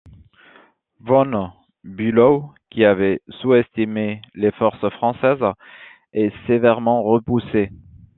Von Bulöw qui avait sous-estimé les forces françaises est sévèrement repoussé.